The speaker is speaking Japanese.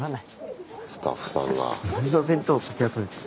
スタッフさんが。